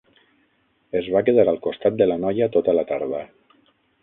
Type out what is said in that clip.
Es va quedar al costat de la noia tota la tarda.